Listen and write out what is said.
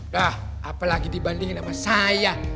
lah apalagi dibandingin sama saya